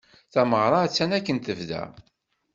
Tameɣra attan akken tebda.